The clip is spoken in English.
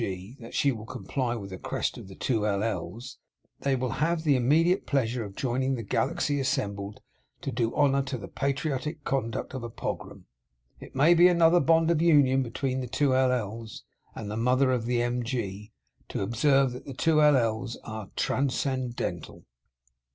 G., that she will comply with the request of the two L. L.'s, they will have the immediate pleasure of joining the galaxy assembled to do honour to the patriotic conduct of a Pogram. It may be another bond of union between the two L. L.'s and the mother of the M. G. to observe, that the two L. L.'s are Transcendental.